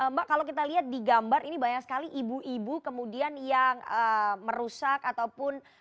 mbak kalau kita lihat di gambar ini banyak sekali ibu ibu kemudian yang merusak ataupun